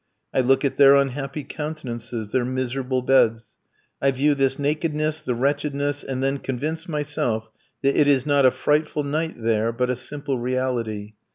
I look at their unhappy countenances, their miserable beds; I view this nakedness, the wretchedness, and then convince myself that it is not a frightful night there, but a simple reality.